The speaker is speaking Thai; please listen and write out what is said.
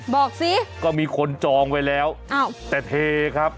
บอกสิก็มีคนจองไว้แล้วแต่เทครับ